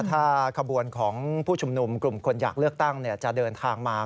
ถ้าขบวนของผู้ชุมนุมกลุ่มคนอยากเลือกตั้งจะเดินทางมา